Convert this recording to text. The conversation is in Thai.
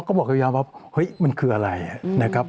พอก็บอกกิวิยาวเฮ้ยมันคืออะไรนะครับ